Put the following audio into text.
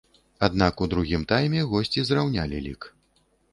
Аднак у другім тайме госці зраўнялі лік.